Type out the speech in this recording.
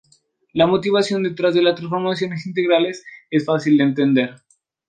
La motivación detrás de las transformaciones integrales es fácil de entender.